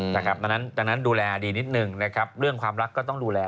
ตอนนั้นดูแลดีนิดนึงเรื่องความรักก็ต้องดูแล